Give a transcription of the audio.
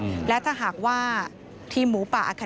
ยึดมั่นในหลักธรรมที่พระครูบาบุญชุมท่านได้สอนเอาไว้ค่ะ